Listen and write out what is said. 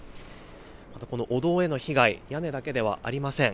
またこのお堂への被害、屋根だけではありません。